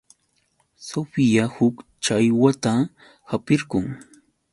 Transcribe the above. Sofía huk challwata hapirqun.